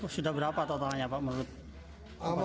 sudah berapa totalnya pak menurut